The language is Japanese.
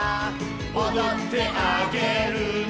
「おどってあげるね」